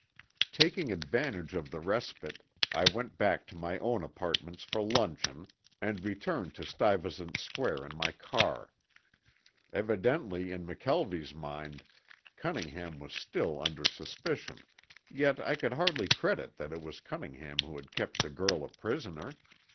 Taking advantage of the respite, I went back to my own apartments for luncheon, and returned to Stuyvesant Square in my car. Evidently in McKelvie's mind Cunningham was still under suspicion, yet I could hardly credit that it was Cunningham who had kept the girl a prisoner.